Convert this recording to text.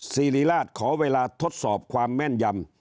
สิริราชขอเวลาทดสอบความแม่นยำ